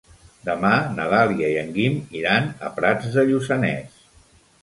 Demà na Dàlia i en Guim iran a Prats de Lluçanès.